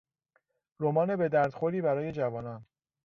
رمان به درد خوری برای جوانان